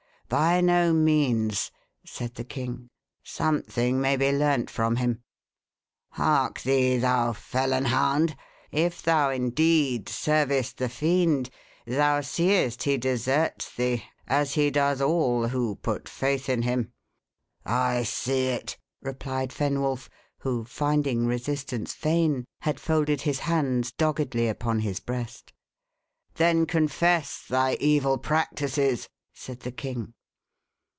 "By no means," said the king; "something may be learnt from him. Hark thee, thou felon hound; if thou indeed servest the fiend, thou seest he deserts thee, as he does all who put faith in him." "I see it," replied Fenwolf, who, finding resistance vain, had folded his hands doggedly upon his breast. "Then confess thy evil practices," said the king.